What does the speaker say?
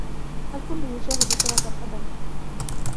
الكل يشاهد كره القدم